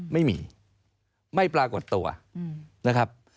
ไม่มีไม่ปรากฏตัวนะครับ